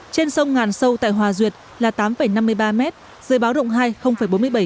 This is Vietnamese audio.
trên sông ngàn sâu tại hòa duyệt là tám năm mươi ba m dưới báo động hai bốn mươi bảy m